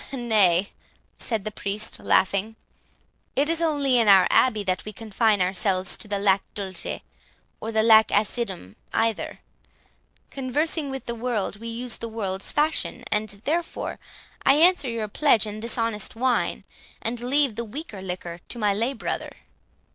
"Nay," said the Priest, laughing, "it is only in our abbey that we confine ourselves to the 'lac dulce' or the 'lac acidum' either. Conversing with, the world, we use the world's fashions, and therefore I answer your pledge in this honest wine, and leave the weaker liquor to my lay brother."